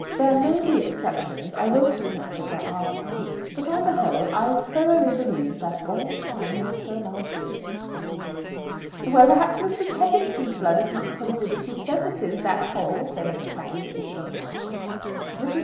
There may be exceptions I won't deny that there are some. But, on the whole, I thoroughly believe that bon sang ne peut mentir." "Well, perhaps Mr. Cheffington's blood is not so good as he says it is; that's all," said Miss Patty, with a short laugh. Mrs.